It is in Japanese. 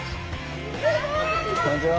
こんにちは。